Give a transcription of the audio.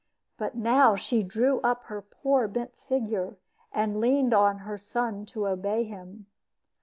But now she drew up her poor bent figure, and leaned on her son to obey him.